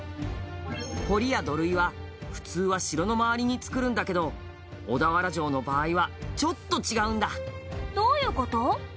堀や土塁は、普通は城の周りにつくるんだけど小田原城の場合はちょっと違うんだどういう事？